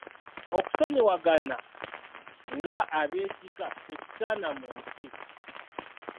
Okusonyiwagana nga abeekika kye kisaana mu nsi.